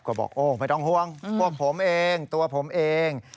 ก็บอกโอ้ไม่ต้องห่วงพวกผมเองตัวผมเอง